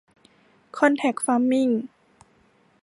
คอนแทร็กฟาร์มมิ่ง